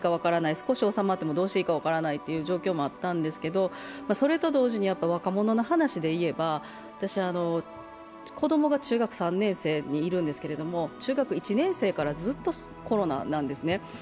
少し収まってもどうしていいかわからないという状況があったんですけどそれと同時に若者の話でいえば私は子供が中学３年生にいるんですけど、中学１年生からずっとコロナなんですね。